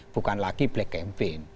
bukan lagi black campaign